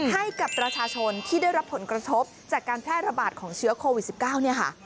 ให้กับประชาชนที่ได้รับผลกระทบจากการแพร่ระบาดของเชื้อโควิด๑๙เนี่ยค่ะ